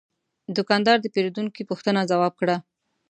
دوکاندار د پیرودونکي پوښتنه ځواب کړه.